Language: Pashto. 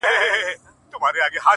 د سېلیو هیبتناکه آوازونه،